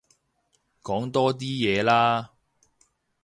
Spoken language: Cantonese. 講多啲嘢啦